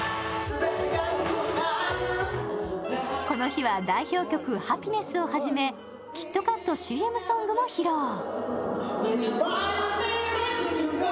この日は代表曲「ハピネス」を初めキットカットＣＭソングも披露。